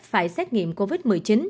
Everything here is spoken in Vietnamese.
phải xét nghiệm covid một mươi chín